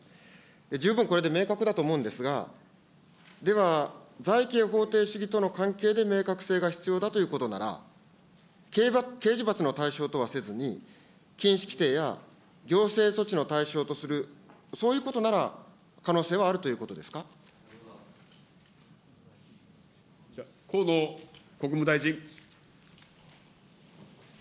十分これで明確だと思うんですが、では罪刑法定主義との関係で明確性が必要だということなら、刑事罰の対象とはせずに、禁止規定や行政措置の対象とするそういうことなら可能性はあると河野国務大臣。